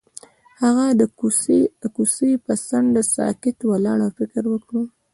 هغه د کوڅه پر څنډه ساکت ولاړ او فکر وکړ.